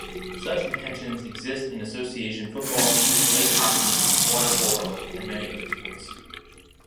Such intentions exist in association football, ice hockey, water polo and many other sports.